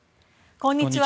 こんにちは。